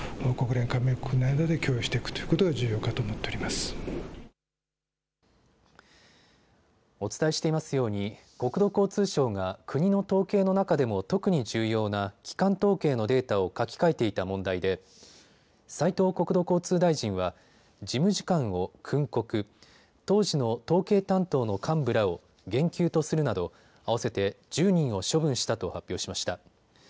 お伝えしていますように国土交通省が国の統計の中でも特に重要な基幹統計のデータを書き換えていた問題で斉藤国土交通大臣は事務次官を訓告、当時の統計担当の幹部らを減給とするなど合わせて１０人を処分したと発表しました。